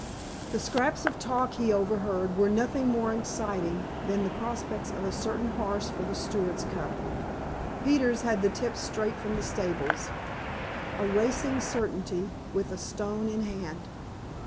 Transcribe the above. The scraps of talk he overheard were nothing more exciting than the prospects of a certain horse for the Stewards' Cup. Peters had the tip straight from the stables. A racing certainty, with a stone in hand.